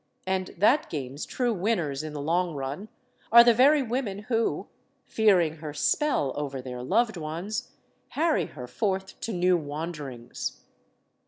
And that game's true winners, in the long run, are the very women who, fearing her spell over their loved ones, harry her forth to new wanderings.